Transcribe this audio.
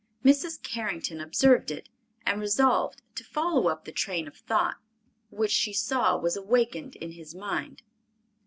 Mrs. Carrington observed it, and resolved to follow up the train of thought which she saw was awakened in his mind.